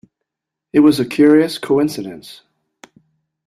It was a curious coincidence.